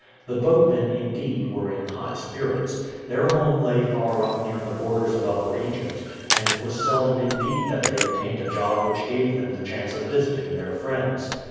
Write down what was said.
The boatmen, indeed, were in high spirits. Their home lay far up near the borders of Upper Egypt, and it was seldom indeed that they obtained a job which gave them the chance of visiting their friends.